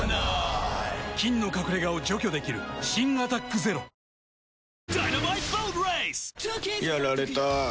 菌の隠れ家を除去できる新「アタックＺＥＲＯ」女性）